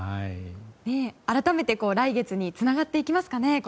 改めて来月につながっていきますかね